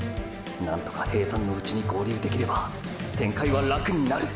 何とか平坦のうちに合流できれば展開は楽になる。